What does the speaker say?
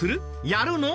やるの？